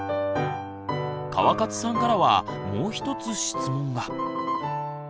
川勝さんからはもう一つ質問が。